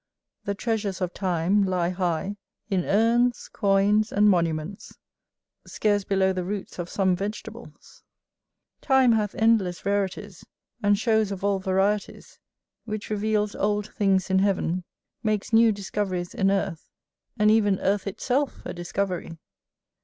The treasures of time lie high, in urns, coins, and monuments, scarce below the roots of some vegetables. Time hath endless rarities, and shows of all varieties; which reveals old things in heaven, makes new discoveries in earth, and even earth itself a discovery.